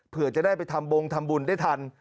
เพื่อจะได้ไปทำบงทำบุญได้ทัน